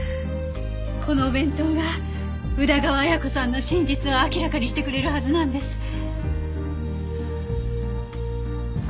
このお弁当が宇田川綾子さんの真実を明らかにしてくれるはずなんです。